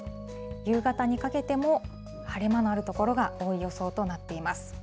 夕方にかけても晴れ間のある所が多い予想となっています。